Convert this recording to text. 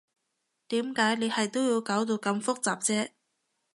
點解你係都要搞到咁複雜啫？